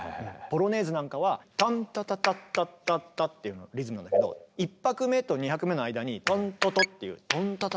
ポロネーズなんかはタンタタタッタッタッタっていうリズムなんだけど１拍目と２拍目の間にトントトっていうのが入る。